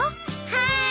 はい！